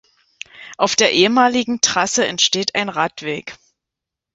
Auf der ehemaligen Trasse entsteht ein Radweg.